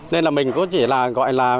nên là mình có chỉ là gọi là